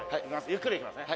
ゆっくりいきますね」